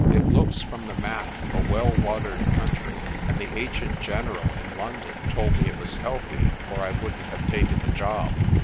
It looks from the map a well watered country, and the Agent General in London told me it was healthy or I wouldn't have taken the job.